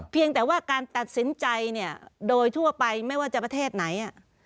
เพียงแต่ว่าการตัดสินใจเนี่ยโดยทั่วไปไม่ว่าจะประเทศไหน